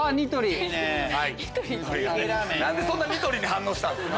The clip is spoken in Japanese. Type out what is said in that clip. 何でそんなニトリに反応したんですか？